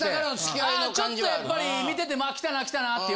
あちょっとやっぱり見てて来たな来たなっていう。